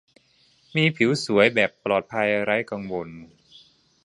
มีผิวสวยแบบปลอดภัยไร้กังวล